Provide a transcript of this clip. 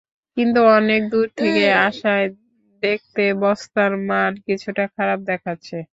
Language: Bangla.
কিন্তু অনেক দূর থেকে আসায় দেখতে বস্তার মান কিছুটা খারাপ দেখাচ্ছে।